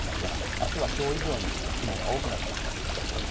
あすはきょう以上に雲が多くなってくるという予想です。